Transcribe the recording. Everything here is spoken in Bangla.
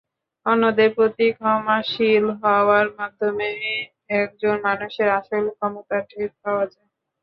অন্যদের প্রতি ক্ষমাশীল হওয়ার মাধ্যমেই একজন মানুষের আসল ক্ষমতা টের পাওয়া যায়।